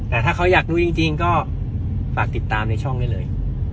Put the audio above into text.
แต่ถ้าเขาอยากรู้จริงก็ฝากติดตามในช่องนี้เลย